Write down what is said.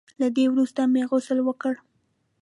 له دې وروسته مې غسل وکړ.